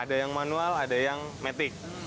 ada yang manual ada yang matic